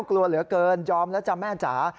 กลัวเหลือเกินยอมแล้วจ้ะแม่จ๋า